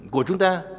của chúng ta